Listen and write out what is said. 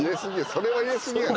それは入れ過ぎや。